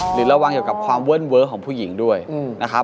หรือระวังเกี่ยวกับความเว่นเว้อของผู้หญิงด้วยนะครับ